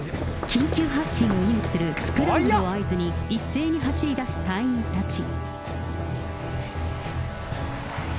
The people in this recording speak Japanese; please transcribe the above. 緊急発進を意味するスクランブルを合図に、一斉に走り出す隊員たち。